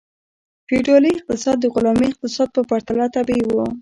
فیوډالي اقتصاد د غلامي اقتصاد په پرتله طبیعي و.